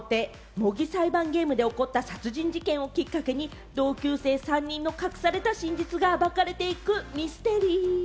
模擬裁判ゲームで起こった殺人事件をきっかけに、同級生３人の隠された真実が暴かれていくミステリー。